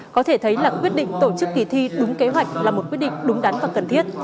có thể thấy là quyết định tổ chức kỳ thi đúng kế hoạch là một quyết định đúng đắn và cần thiết